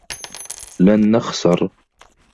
لن نخسر.